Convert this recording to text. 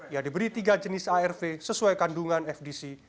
yang diberi tiga jenis arv sesuai kandungan fdc